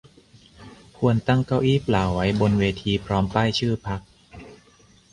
ควรตั้งเก้าอี้เปล่าไว้บนเวทีพร้อมป้ายชื่อพรรค